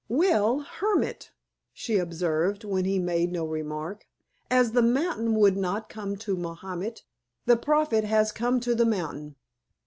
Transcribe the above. "Well, Hermit." she observed, when he made no remark. "As the mountain would not come to Mahomet, the prophet has come to the mountain."